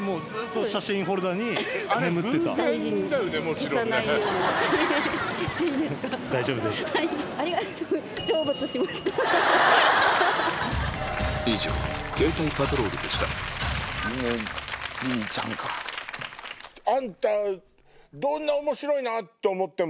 続いてはあんたどんな面白いなと思っても。